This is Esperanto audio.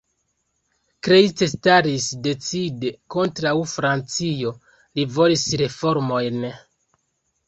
Kleist staris decide kontraŭ Francio, li volis reformojn.